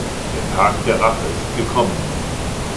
Der Tag der Rache ist gekommen.